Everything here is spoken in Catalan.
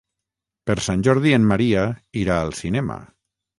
Per Sant Jordi en Maria irà al cinema.